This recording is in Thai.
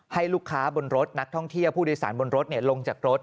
ให้ลูกค้าบนรถนักท่องเที่ยวผู้โดยสารบนรถลงจากรถ